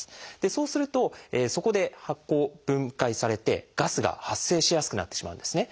そうするとそこで発酵・分解されてガスが発生しやすくなってしまうんですね。